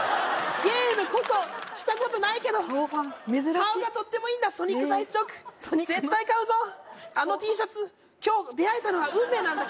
ゲームこそしたことないけど顔ファン珍しい顔がとってもいいんだソニック・ザ・ヘッジホッグ絶対買うぞあのＴシャツ今日出会えたのは運命なんだ